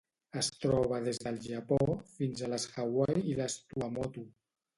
Es troba des del Japó fins a les Hawaii i les Tuamotu.